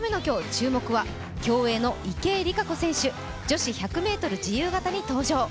注目は競泳の池江璃花子選手、女子１００ｍ自由形に登場。